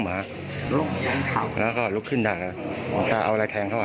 แล้วก็ลุกขึ้นด้านนั้นจ้าเอาอะไรแทงเขาอ่ะ